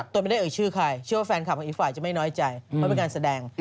ไม่ได้เอ่ยชื่อใครเชื่อว่าแฟนคลับของอีกฝ่ายจะไม่น้อยใจเพราะเป็นการแสดง